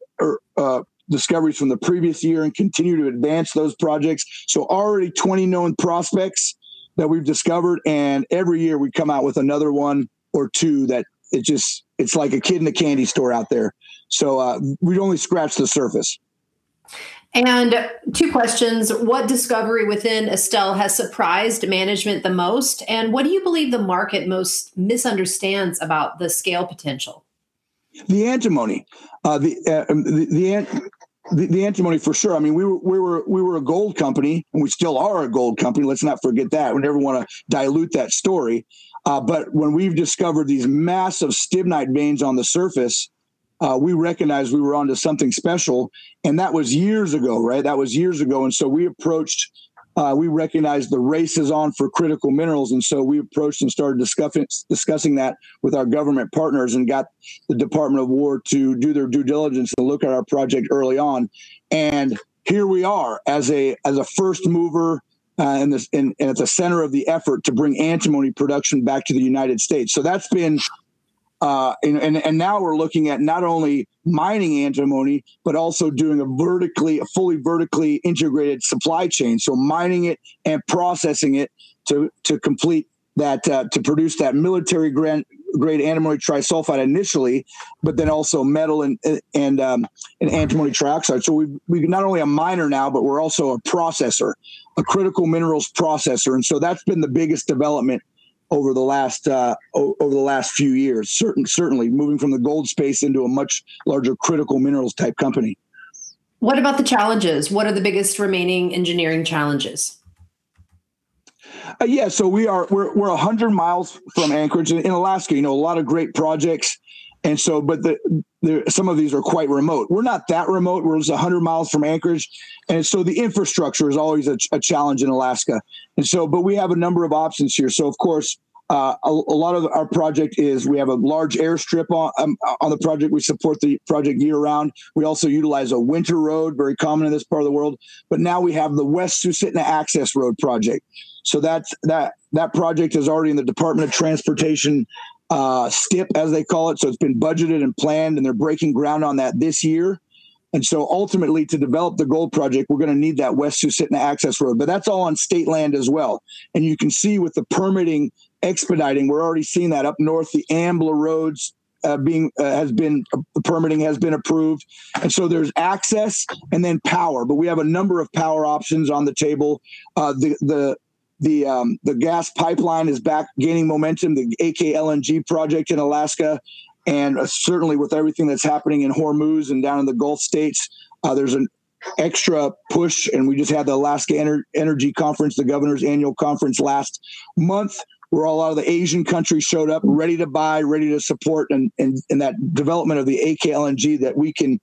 discoveries from the previous year and continue to advance those projects. Already 20 known prospects that we've discovered, and every year we come out with another one or two that it's like a kid in a candy store out there. We've only scratched the surface. Two questions. What discovery within Estelle has surprised management the most? What do you believe the market most misunderstands about the scale potential? The antimony. The antimony for sure. We were a gold company, and we still are a gold company. Let's not forget that. We never want to dilute that story. When we've discovered these massive stibnite veins on the surface, we recognized we were onto something special, and that was years ago, right? That was years ago. We recognized the race is on for critical minerals, we approached and started discussing that with our government partners and got the Department of Defense to do their due diligence to look at our project early on. Here we are as a first mover, at the center of the effort to bring antimony production back to the United States. Now we're looking at not only mining antimony, but also doing a fully vertically integrated supply chain. Mining it and processing it to produce that military-grade antimony trisulfide initially, also metal and antimony trioxide. We're not only a miner now, we're also a processor, a critical minerals processor, that's been the biggest development over the last few years. Certainly, moving from the gold space into a much larger critical minerals-type company. What about the challenges? What are the biggest remaining engineering challenges? Yeah. We're 100 miles from Anchorage in Alaska. A lot of great projects, some of these are quite remote. We're not that remote. We're 100 miles from Anchorage, the infrastructure is always a challenge in Alaska. We have a number of options here, a lot of our project is we have a large airstrip on the project. We support the project year-round. We also utilize a winter road, very common in this part of the world. Now we have the West Susitna Access Road project. That project is already in the Department of Transportation, STIP, as they call it. It's been budgeted and planned, and they're breaking ground on that this year. Ultimately, to develop the gold project, we're going to need that West Susitna Access Road. That's all on state land as well. You can see with the permitting expediting, we're already seeing that up north. The Ambler roads permitting has been approved. There's access and then power, we have a number of power options on the table. The gas pipeline is back gaining momentum, the AK LNG project in Alaska. Certainly, with everything that's happening in Hormuz and down in the Gulf States, there's an extra push, we just had the Alaska Energy Conference, the governor's annual conference last month, where a lot of the Asian countries showed up ready to buy, ready to support, and that development of the AK LNG that we can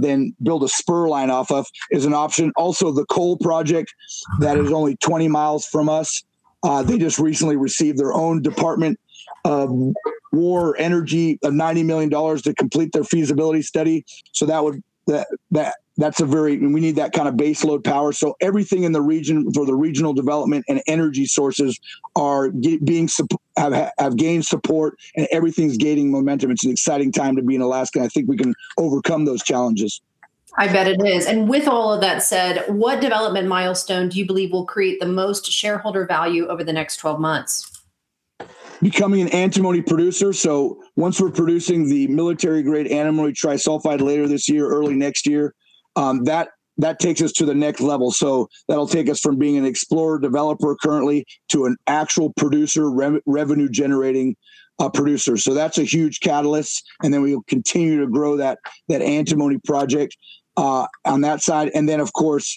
then build a spur line off of is an option. The coal project that is only 20 miles from us, they just recently received their own Department of Energy of $90 million to complete their feasibility study. We need that kind of base load power. Everything for the regional development and energy sources have gained support and everything's gaining momentum. It's an exciting time to be in Alaska. I think we can overcome those challenges. I bet it is. With all of that said, what development milestone do you believe will create the most shareholder value over the next 12 months? Becoming an antimony producer. Once we're producing the military-grade antimony trisulfide later this year, early next year, that takes us to the next level. That'll take us from being an explorer developer currently to an actual revenue-generating producer. That's a huge catalyst, and then we will continue to grow that antimony project on that side. Then, of course,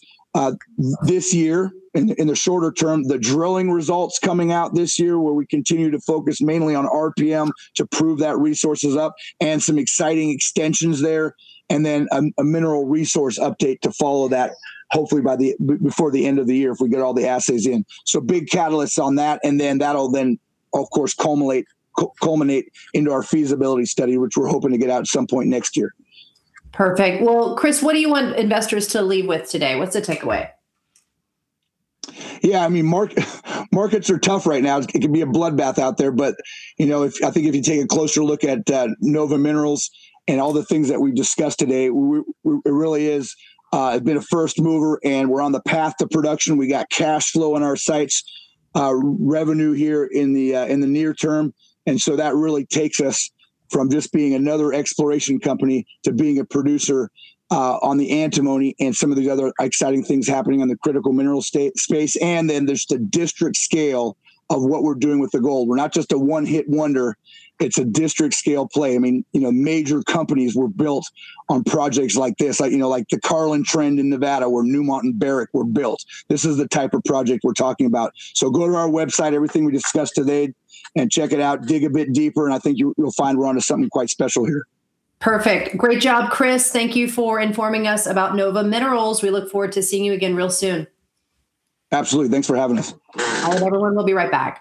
this year, in the shorter term, the drilling results coming out this year, where we continue to focus mainly on RPM to prove that resource is up and some exciting extensions there. Then a mineral resource update to follow that hopefully before the end of the year if we get all the assays in. Big catalyst on that and then that'll then, of course, culminate into our feasibility study, which we're hoping to get out at some point next year. Perfect. Well, Chris, what do you want investors to leave with today? What's the takeaway? Yeah, markets are tough right now. It can be a bloodbath out there. But I think if you take a closer look at Nova Minerals and all the things that we've discussed today, it really has been a first mover and we're on the path to production. We got cash flow in our sights, revenue here in the near term, that really takes us from just being another exploration company to being a producer on the antimony and some of these other exciting things happening on the critical mineral space. Then there's the district scale of what we're doing with the gold. We're not just a one-hit wonder. It's a district-scale play. Major companies were built on projects like this, like the Carlin Trend in Nevada where Newmont and Barrick were built. This is the type of project we're talking about. Go to our website, everything we discussed today, and check it out, dig a bit deeper, and I think you'll find we're onto something quite special here. Perfect. Great job, Chris. Thank you for informing us about Nova Minerals. We look forward to seeing you again real soon. Absolutely. Thanks for having us. All right, everyone, we'll be right back